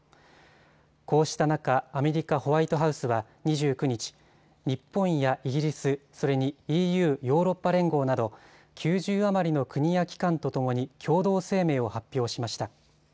こうした中、アメリカホワイトハウスは２９日、日本やイギリス、それにＥＵ・ヨーロッパ連合など９０余りの国や機関とともに共同声明を発表しました。